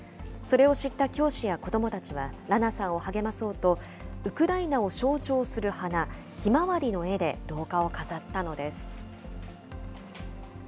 それを知った教師や子どもたちは、ラナさんを励まそうと、ウクライナを象徴する花、ヒマワリの絵で廊下を飾ったのです。